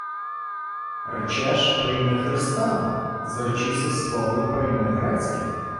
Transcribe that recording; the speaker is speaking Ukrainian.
— Речеш, прийми Христа. Зречися свого й прийми грецьке.